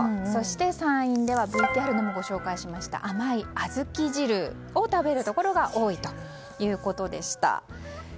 そして山陰ではＶＴＲでもご紹介した甘い小豆汁を食べるところが多いということでした。